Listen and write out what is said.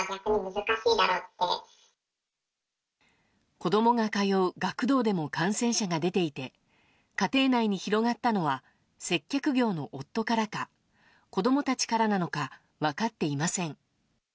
子供が通う学童でも感染者が出ていて家庭内に広がったのは接客業の夫からか子供たちからなのか分かっていません。